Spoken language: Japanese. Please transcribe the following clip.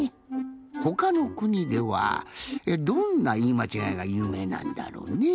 ほかのくにではどんないいまちがいがゆうめいなんだろうねぇ？